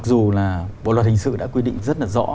dù là bộ luật hình sự đã quy định rất là rõ